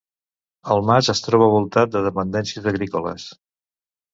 El mas es troba voltat de dependències agrícoles.